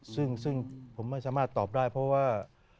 ซึ่งผมไม่สามารถตอบได้เพราะว่า